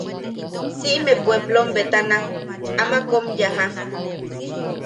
Siʼime puepplom betana ama... aman kom yaja.